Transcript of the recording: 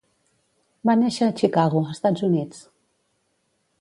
Va néixer a Chicago, Estats Units.